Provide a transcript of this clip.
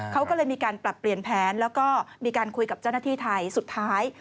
เขาก็เลยมีการปรับเปลี่ยนแผนแล้วก็มีการคุยกับเจ้าหน้าที่ไทยสุดท้าย